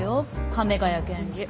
亀ヶ谷検事。